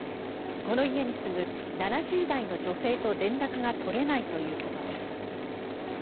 この家に住む７０代の女性と連絡が取れないということです。